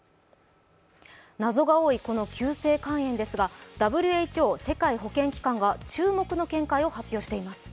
謎が多い、この急性肺炎ですが、ＷＨＯ＝世界保健機関が注目の見解を発表しています。